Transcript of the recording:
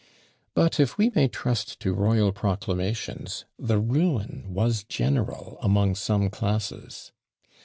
But if we may trust to royal proclamations, the ruin was general among some classes.